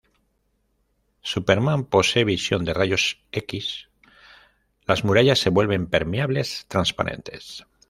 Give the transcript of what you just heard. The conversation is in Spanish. Superman posee visión de rayos-x: las murallas se vuelven permeables, transparentes.